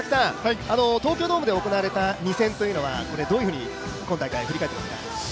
東京ドームで行われた２戦というのは今大会どういうふうに振り返っていますか？